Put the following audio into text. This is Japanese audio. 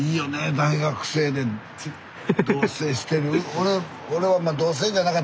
大学生で同せいしてる。